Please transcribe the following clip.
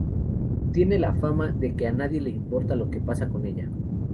Tiene la fama de que a nadie le importe lo que pasa con ella.